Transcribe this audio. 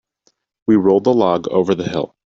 We rolled the log over the hill.